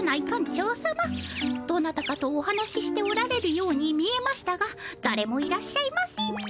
どなたかとお話ししておられるように見えましたがだれもいらっしゃいません。